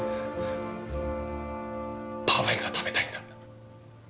パフェが食べたいんだ。